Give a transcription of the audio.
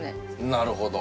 なるほど。